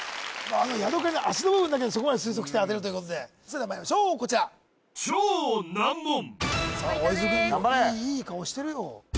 ヤドカリの脚の部分だけでそこまで推測して当てるということでそれではまいりましょうこちら・ファイトですいい顔してるよ